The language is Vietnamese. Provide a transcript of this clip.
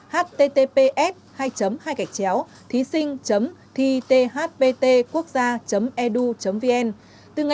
https hai hai thí sinh thithptquocgia edu vn